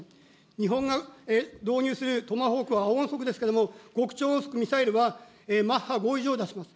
日本が導入するトマホークは音速ですけども、極超音速ミサイルはマッハ５以上を出します。